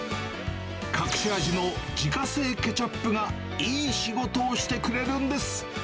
隠し味の自家製ケチャップが、いい仕事をしてくれるんです。